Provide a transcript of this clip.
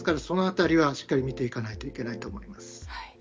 その辺りはしっかり見ていかないといけないと思います。